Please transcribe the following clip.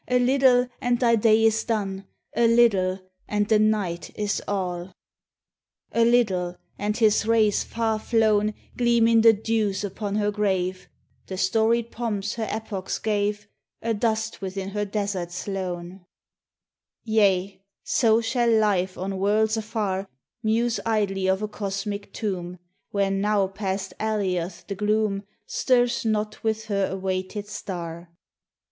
A little, and thy day is done, A little, and the Night is all." 56 THE TESTIMONY OF THE SUNS. A little, and his rays, far flown, Gleam in the dews upon her grave, The storied pomps her epochs gave A dust within her deserts lone. Yea! so shall Life on worlds afar Muse idly of a cosmic tomb, Where now past Alioth the gloom Stirs not with her awaited star.